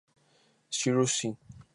Shirou: Si.